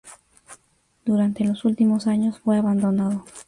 Durante los últimos años fue abandonado.